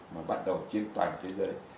và bắt đầu trên toàn thế giới